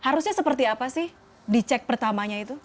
harusnya seperti apa sih di cek pertamanya itu